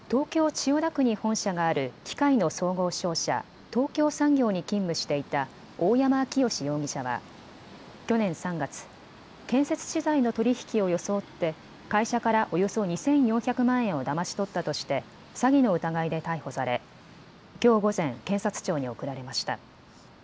千代田区に本社がある機械の総合商社、東京産業に勤務していた大山彰義容疑者は去年３月、建設資材の取り引きを装って会社からおよそ２４００万円をだまし取ったとして詐欺の疑いで逮捕されきょう午前、検察庁に送られました。